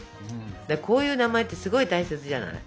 こういう名前ってすごい大切じゃない？